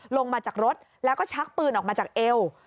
ลงมาจากรถแล้วก็ชักปืนออกมาจากเอว